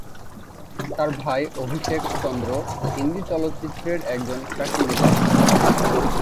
তার ভাই অভিষেক চন্দ্র হিন্দি চলচ্চিত্রের একজন ফ্যাশন ডিজাইনার।